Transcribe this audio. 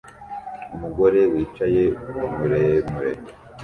umugore wicaye muremure